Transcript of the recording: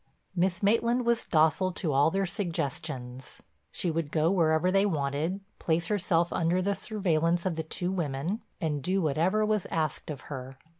Miss Maitland was docile to all their suggestions. She would go wherever they wanted, place herself under the surveillance of the two women, and do whatever was asked of her.